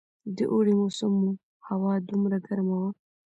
د اوړي موسم وو، هوا دومره ګرمه وه.